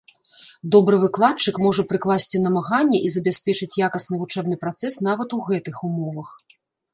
Добры выкладчык можа прыкласці намаганні і забяспечыць якасны вучэбны працэс нават у гэтых умовах.